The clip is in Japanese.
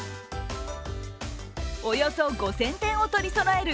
およそ５０００点を取りそろえる